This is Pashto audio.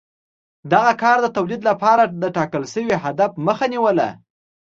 دغه کار د تولید لپاره د ټاکل شوي هدف مخه نیوله